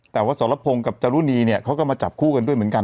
แต่ว่าสรพงศ์กับจรุณีเนี่ยเขาก็มาจับคู่กันด้วยเหมือนกัน